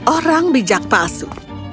orang bijak palsu